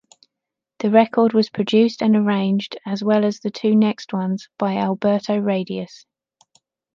The record was produced and arranged, as well as the two next ones, by Alberto Radius.